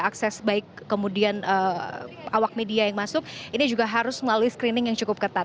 akses baik kemudian awak media yang masuk ini juga harus melalui screening yang cukup ketat